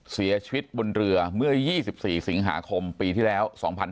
เสียชีวิตบนเรือเมื่อ๒๔สิงหาคมปีที่แล้ว๒๕๕๙